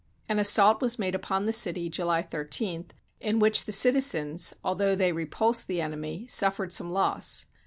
An assault was made upon the city (July 13), in which the citizens, although they repulsed the enemy, suffered some loss.